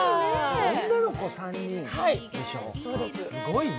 女の子３人でしょ、すごいね。